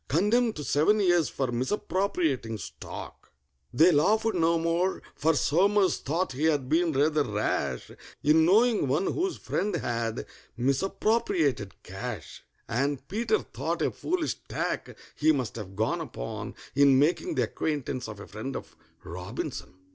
Condemned to seven years for misappropriating stock!!! They laughed no more, for SOMERS thought he had been rather rash In knowing one whose friend had misappropriated cash; And PETER thought a foolish tack he must have gone upon In making the acquaintance of a friend of ROBINSON.